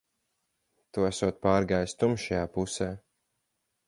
Tu esot pārgājis tumšajā pusē.